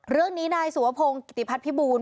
เรื่องนี้นายสุวพงศ์กิติพัฒนภิบูรณ